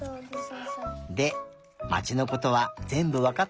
でまちのことはぜんぶわかったかな？